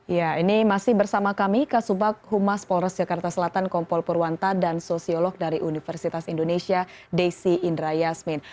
ya ini masih bersama kami kasubag humas polres jakarta selatan kompol purwanta dan sosiolog dari universitas indonesia desi indra yasmin